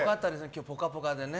今日ぽかぽかでね。